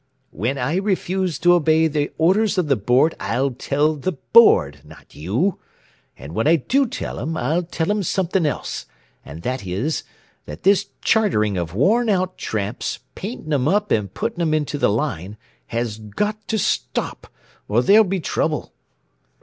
"When I refuse to obey the orders of the Board I'll tell the Board, not you. And when I do tell 'em I'll tell 'em something else, and that is, that this chartering of worn out tramps, painting 'em up and putting 'em into the Line, has got to stop, or there'll be trouble."